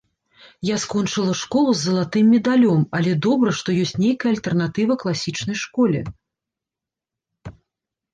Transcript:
Я скончыла школу з залатым медалём, але добра, што ёсць нейкая альтэрнатыва класічнай школе.